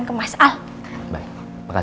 kok udah buat dinhebar lah